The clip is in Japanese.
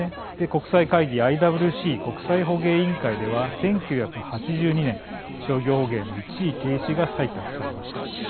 国際会議ＩＷＣ＝国際捕鯨委員会では１９８２年、商業捕鯨の一時停止が採択されました。